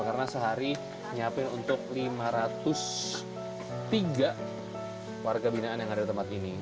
karena sehari menyiapkan untuk lima ratus tiga warga binaan yang ada di tempat ini